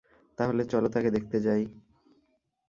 তাহলে চল তাকে দেখতে যাই।